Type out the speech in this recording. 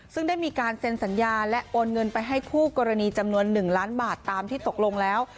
ซึ่งได้มีการเซ็นสัญญาและโอนเงินไปให้คู่กรณีจำนวน๑ล้านบาทตามที่ตกลงแล้ว